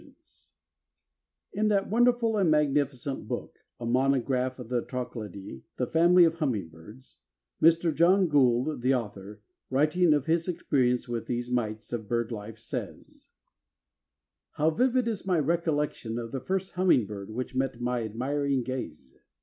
_) In that wonderful and magnificent book "A Monograph of the Trochilidæ," the family of hummingbirds, Mr. John Gould, the author, writing of his experiences with these mites of bird life, says: "How vivid is my recollection of the first hummingbird which met my admiring gaze!